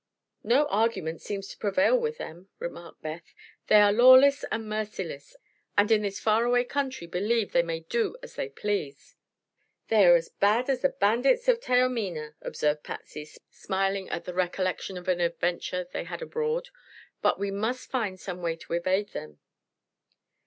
"No argument seems to prevail with them," remarked Beth. "They are lawless and merciless, and in this far away country believe they may do as they please." "They're as bad as the bandits of Taormina," observed Patsy, smiling at the recollection of an adventure they had abroad; "but we must find some way to evade them."